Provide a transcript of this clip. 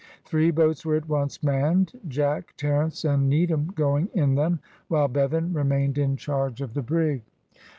Three boats were at once manned, Jack, Terence, and Needham going in them while Bevan remained in charge of the brig.